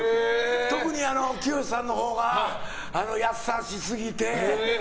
特に聖志さんのほうが優しすぎて。